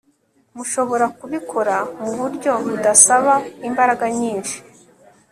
mushobora kubikora mu buryo budasaba imbaraga nyinshi